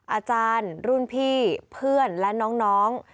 อาจารย์รุ่นพี่เพื่อนและน้อง